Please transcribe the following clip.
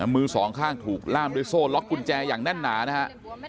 มือสองข้างถูกล่ามด้วยโซ่ล็อกกุญแจอย่างแน่นหนานะฮะ